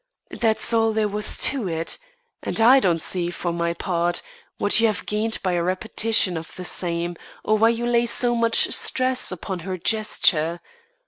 That's all there was to it, and I don't see for my part, what you have gained by a repetition of the same, or why you lay so much stress upon her gesture.